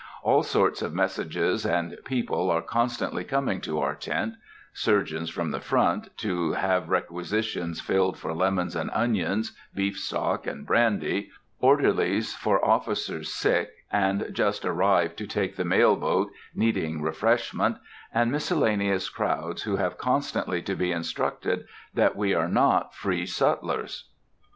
All sorts of messages and people are constantly coming to our tent;—surgeons from the front, to have requisitions filled for lemons and onions, beef stock, and brandy; orderlies, for officers sick, and just arrived to take the mail boat, needing refreshment; and miscellaneous crowds, who have constantly to be instructed that we are not free sutlers.